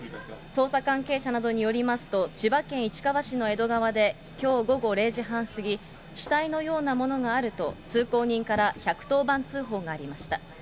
捜査関係者などによりますと、千葉県市川市の江戸川で、きょう午後０時半過ぎ、死体のようなものがあると、通行人から１１０番通報がありました。